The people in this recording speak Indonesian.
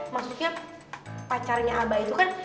maksudnya pacarnya abah itu kan